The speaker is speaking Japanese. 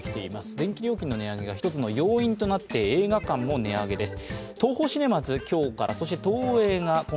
電気料金の値上げが１つの要因となって映画館も値上げです。